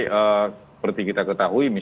seperti kita ketahui